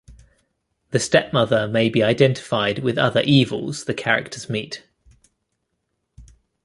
The stepmother may be identified with other evils the characters meet.